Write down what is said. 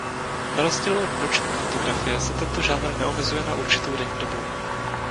Na rozdíl od noční fotografie se tento žánr neomezuje na určitou denní dobu.